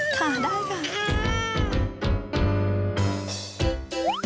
ถอดได้ค่ะ